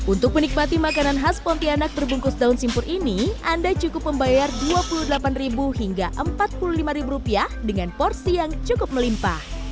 untuk menikmati makanan khas pontianak terbungkus daun simpur ini anda cukup membayar dua puluh delapan hingga rp empat puluh lima dengan porsi yang cukup melimpah